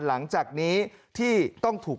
ขอเลื่อนสิ่งที่คุณหนูรู้สึก